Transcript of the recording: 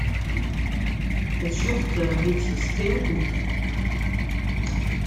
It sjocht der in bytsje stil út.